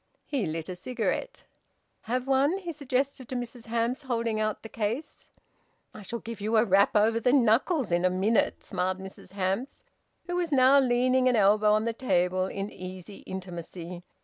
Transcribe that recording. He lit a cigarette. "Have one?" he suggested to Mrs Hamps, holding out the case. "I shall give you a rap over the knuckles in a minute," smiled Mrs Hamps, who was now leaning an elbow on the table in easy intimacy.